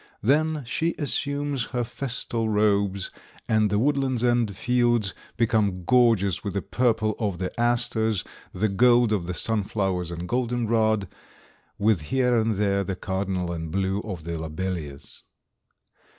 Then she assumes her festal robes and the woodlands and fields become gorgeous with the purple of the Asters, the gold of the sunflowers and golden rod, with here and there the cardinal and blue of the lobelias.